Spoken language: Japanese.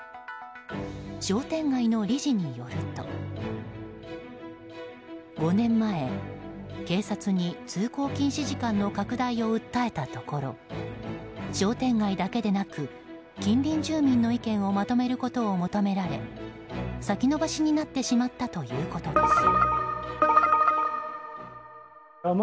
商店街の理事によると５年前、警察に通行禁止時間の拡大を訴えたところ商店街だけでなく近隣住民の意見をまとめることを求められ先延ばしになってしまったということです。